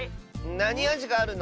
なにあじがあるの？